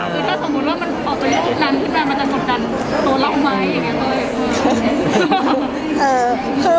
ก็สมมุติว่ามันออกไปจากที่แบบมันจะจดดันตัวเราใหม่อย่างเงี้ยเต้ย